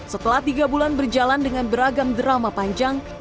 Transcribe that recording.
setelah tiga bulan berjalan dengan beragam drama panjang